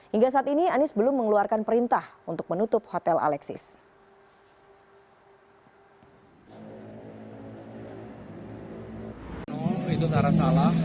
hingga saat ini anies belum mengeluarkan perintah untuk menutup hotel alexis